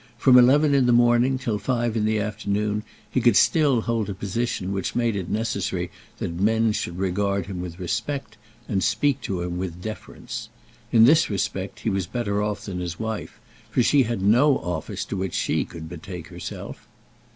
From eleven in the morning till five in the afternoon he could still hold a position which made it necessary that men should regard him with respect, and speak to him with deference. In this respect he was better off than his wife, for she had no office to which she could betake herself.